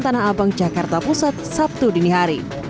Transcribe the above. di kawasan tanah abang jakarta pusat sabtu dini hari